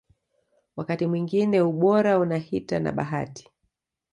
Wakati mwingine ubora unahita na bahati